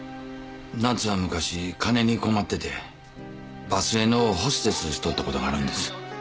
奈津は昔金に困ってて場末のホステスしとったことがあるんです。